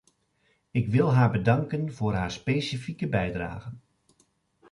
Ik wil haar bedanken voor haar specifieke bijdrage.